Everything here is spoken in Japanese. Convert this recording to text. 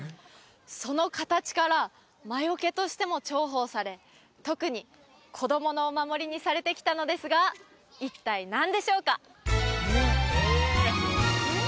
その形から魔よけとしても重宝され特に子供のお守りにされてきたのですが一体何でしょうか？